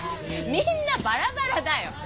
みんなバラバラだよ。